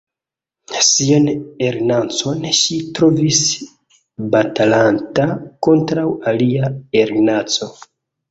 Sian erinacon ŝi trovis batalanta kontraŭ alia erinaco.